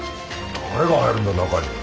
誰が入るんだよ中に。